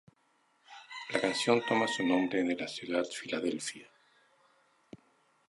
La canción toma su nombre de la ciudad Filadelfia.